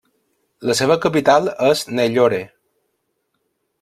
La seva capital és Nellore.